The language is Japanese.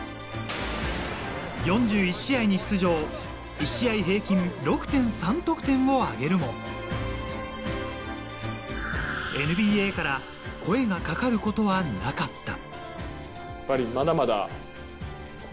４１試合に出場、いい試合平均６．３得点を挙げるも、ＮＢＡから声がかかることはなかった。